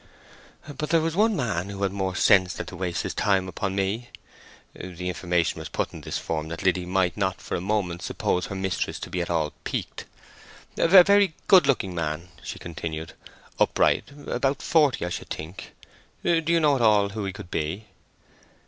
"But there was one man who had more sense than to waste his time upon me." The information was put in this form that Liddy might not for a moment suppose her mistress was at all piqued. "A very good looking man," she continued, "upright; about forty, I should think. Do you know at all who he could be?"